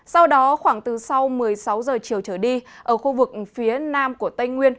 sau đó khoảng từ sau một mươi sáu giờ chiều trở đi ở khu vực phía nam của tây nguyên